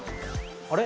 あれ？